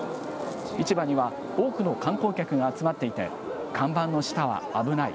市場には多くの観光客が集まっていて、看板の下は危ない。